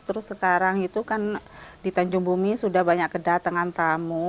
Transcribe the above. terus sekarang itu kan di tanjung bumi sudah banyak kedatangan tamu